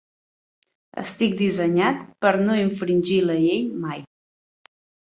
Estic dissenyat per no infringir la llei mai.